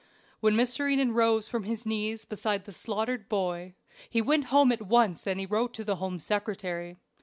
When Mr. Eden rose from his knees beside the slaughtered boy he went home at once and wrote to the Home Secretary.